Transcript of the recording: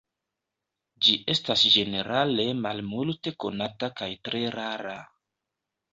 Ĝi estas ĝenerale malmulte konata kaj tre rara.